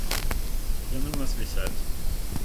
Яны ў нас вісяць.